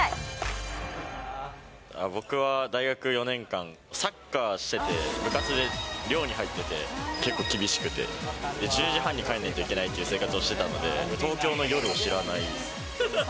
僕は大学４年間、サッカーしてて、部活で寮に入ってて、結構厳しくて、１０時半に帰らなきゃいけないっていう生活をしてたので、東京の夜を知らないです。